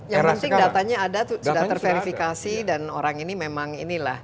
yang penting datanya ada sudah terverifikasi dan orang ini memang inilah